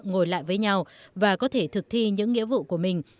ngồi lại với nhau và có thể thực thi những nghĩa vụ của mình